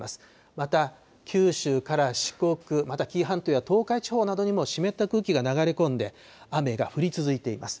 また、九州から四国、また紀伊半島や東海地方にも湿った空気が流れ込んで、雨が降り続いています。